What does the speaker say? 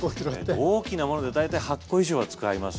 大きなもので大体８個以上は使います。